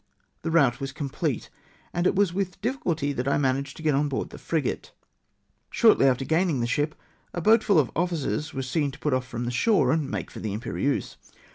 The rout was complete ; and it was with diffi culty that I managed to get on board the frigate. Shortly after gaining the ship, a boat full of officers was seen to put off from the shore and make for the Iinperieuse.